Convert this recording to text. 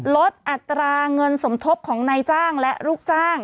ลดอัตราเงินสมทบของนายจ้างและลูกจ้าง